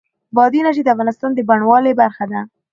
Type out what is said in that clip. بادي انرژي د افغانستان د بڼوالۍ برخه ده.